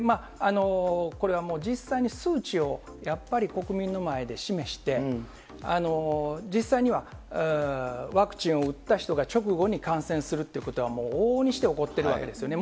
これはもう、実際に数値をやっぱり国民の前で示して、実際にはワクチンを打った人が直後に感染するということはもうおうおうにして起こっているわけですよね。